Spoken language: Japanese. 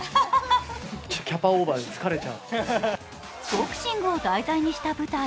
ボクシングを題材にした舞台。